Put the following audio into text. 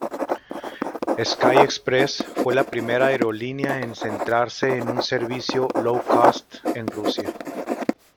Sky Express fue la primera aerolínea en centrarse en un servicio "low-cost" en Rusia.